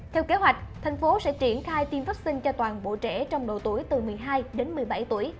theo kế hoạch thành phố sẽ triển khai tiêm vaccine cho toàn bộ trẻ trong độ tuổi từ một mươi hai đến một mươi bảy tuổi